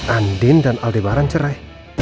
andin dan aldebaran cerai